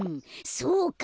そうか。